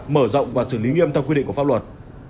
mở rộng và xử lý nghiêm theo quy định của pháp luật